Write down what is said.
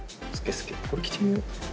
これ着てみよう。